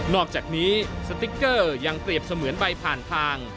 อกจากนี้สติ๊กเกอร์ยังเปรียบเสมือนใบผ่านทาง